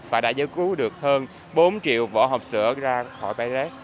và đã giới cứu được hơn bốn triệu võ học sửa ra khỏi bãi rét